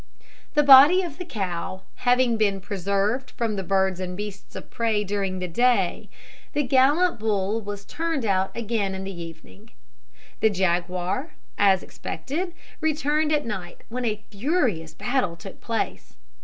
The body of the cow having been preserved from the birds and beasts of prey during the day, the gallant bull was turned out again in the evening. The jaguar, as was expected, returned at night, when a furious battle took place.